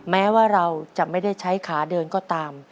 แม้ว่าเราจะไม่ได้ใช้ขาเดินก็ตาม